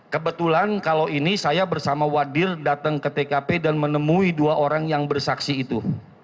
kebetulan kalau ini saya bersama wadir datang ke tkp dan menemui dua orang yang bersaksi itu